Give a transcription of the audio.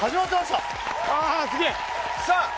さあ。